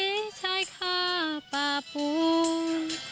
ป้าใส่ชายข้าป้าปูน